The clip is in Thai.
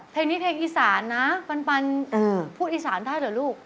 เพลงนี้เพลงอีสานนะปันพูดอีสานได้เหรอลูก